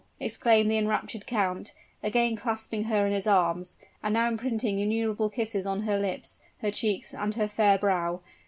exclaimed the enraptured count, again clasping her in his arms, and now imprinting innumerable kisses on her lips, her cheeks, and her fair brow.